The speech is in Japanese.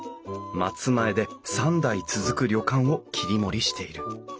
松前で三代続く旅館を切り盛りしている。